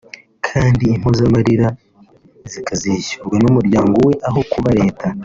kandi impozamaririra zikazishyurwa n’umuryango we aho kuba leta